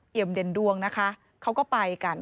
เด่นดวงนะคะเขาก็ไปกัน